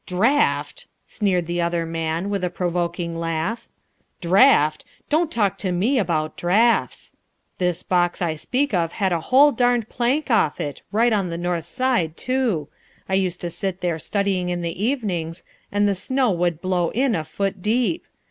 "Draught!" sneered the other man, with a provoking laugh, "draught! Don't talk to me about draughts. This box I speak of had a whole darned plank off it, right on the north side too. I used to sit there studying in the evenings, and the snow would blow in a foot deep.